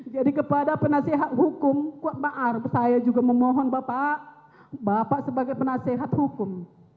jadi kepada penasehat hukum kuat maruf saya juga memohon bapak bapak sebagai penasehat hukum